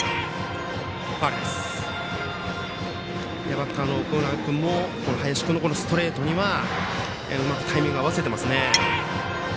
バッターの奥村君も林君のストレートにはうまくタイミング合わせてますね。